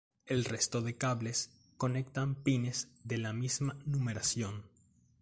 El resto de cables conectan pines de la misma numeración.